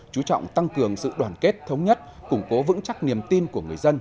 chú trọng tăng cường sự đoàn kết thống nhất củng cố vững chắc niềm tin của người dân